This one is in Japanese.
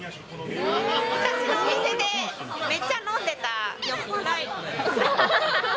私のお店で、めっちゃ飲んでた酔っ払い。